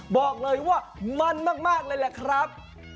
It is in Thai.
บอกเลยว่ามันมากเลยแหละครับ